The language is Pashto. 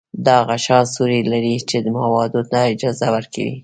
دا غشا سوري لري چې موادو ته اجازه ورکوي.